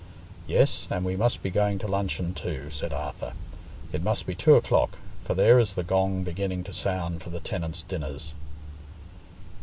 "Yes, and we must be going to luncheon too," said Arthur. "It must be two o'clock, for there is the gong beginning to sound for the tenants' dinners."